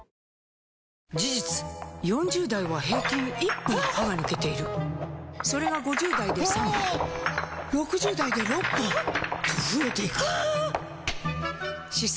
事実４０代は平均１本歯が抜けているそれが５０代で３本６０代で６本と増えていく歯槽